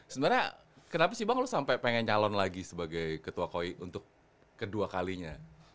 sebenarnya kenapa sih bang lo sampai pengen nyalon lagi sebagai ketua koi untuk kedua kalinya